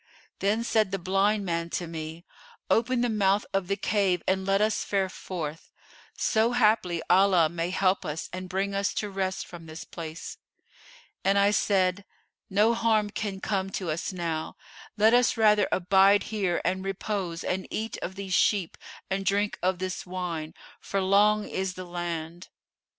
Then said the blind man to me, 'Open the mouth of the cave and let us fare forth; so haply Allah may help us and bring us to rest from this place.' And I said, 'No harm can come to us now; let us rather abide here and repose and eat of these sheep and drink of this wine, for long is the land.